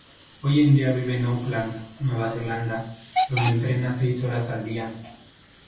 Hoy en día vive en Auckland, Nueva Zelanda, donde entrena seis horas al día.